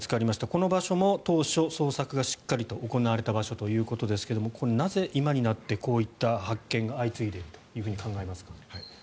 この場所も当初、捜索がしっかりと行われた場所ということですがこれはなぜ今になってこういった発見が相次いでいると考えられますか？